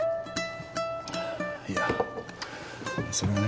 いやそれがね。